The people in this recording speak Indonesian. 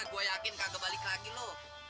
gue yakin kagak balik lagi lu